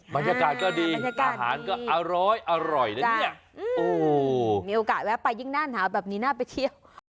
บรรยากาศก็ดีอาหารก็อร้อยนะเนี่ยโอ้มีโอกาสแวะไปยิ่งหน้าหนาวแบบนี้น่าไปเที่ยว